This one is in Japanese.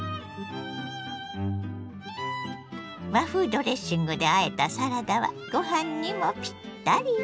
和風ドレッシングであえたサラダはご飯にもピッタリよ。